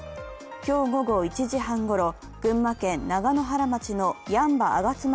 今日午後１時半ごろ、群馬県長野原町の八ッ場あがつま